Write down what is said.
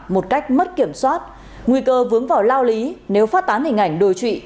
một cách mất kiểm soát nguy cơ vướng vào lao lý nếu phát tán hình ảnh đồi trụy